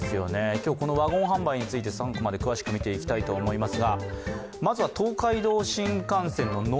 今日、このワゴン販売について３コマで詳しく見ていきます。